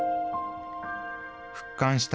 復刊した